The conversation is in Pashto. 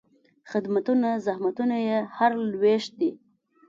خدمتونه، زحمتونه یې هر لوېشت دي